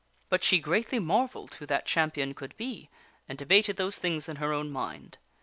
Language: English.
But she greatly marvelled who that champion could be, and debated those things in her own mind.